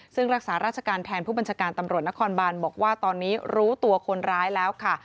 ซึ่งรักษาราชการแทนผู้บัญชาการตำรวจนครบานบอกว่าตอนนี้รู้ตัวคนร้ายแล้วค่ะ